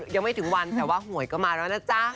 ยังไม่ถึงวันแต่ว่าหวยก็มาแล้วนะจ๊ะ